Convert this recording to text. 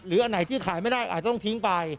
อันไหนที่ขายไม่ได้อาจจะต้องทิ้งไป